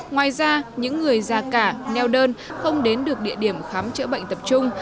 ngoài ra những người già cả neo đơn không đến được địa điểm khám chữa bệnh tập trung